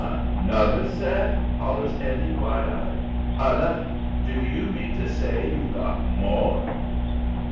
"ANOTHER set?" hollers Eddie, wide eyed. "Anoth Do you mean to say you've got MORE?"